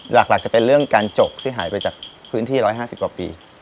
หลักจะเป็นเรื่องการจกที่หายไปจากพื้นที่๑๕๐กว่าปี